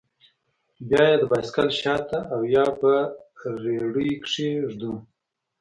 بيا يې د بايسېکل شاته او يا په رېړيو کښې ږدو.